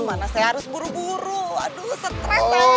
mana saya harus buru buru aduh stres banget